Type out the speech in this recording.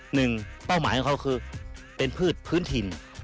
เป้าหมายของเขาคือเป็นพืชพื้นถิ่น